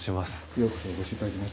ようこそお越しいただきまして。